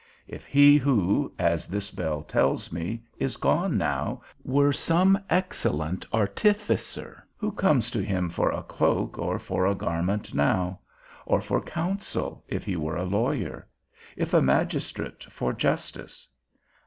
If he who, as this bell tells me, is gone now, were some excellent artificer, who comes to him for a cloak or for a garment now? or for counsel, if he were a lawyer? if a magistrate, for justice?